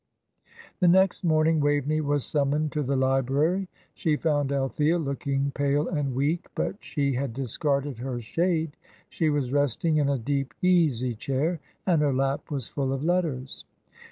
The next morning Waveney was summoned to the library. She found Althea looking pale and weak, but she had discarded her shade. She was resting in a deep, easy chair, and her lap was full of letters.